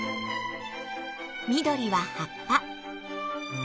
緑は葉っぱ。